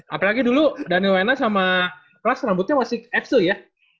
apalagi dulu daniel wena sama pras rambutnya masih apps tuh ya